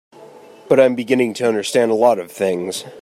But I'm beginning to understand a lot of things.